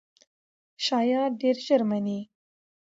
شایعات ډېر ژر مني.